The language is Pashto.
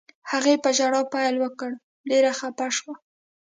هغې په ژړا یې پیل وکړ، ډېره خفه شوه.